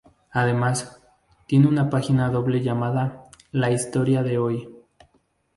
Además, tiene una página doble llamada "La historia de Hoy".